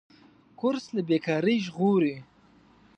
کورس له بېکارۍ ژغوري.